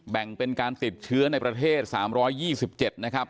แบ่งเป็นการติดเชื้อในประเทศ๓๒๗นะครับ